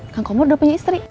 kang komur udah punya istri